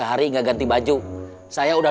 kalian masih kumplit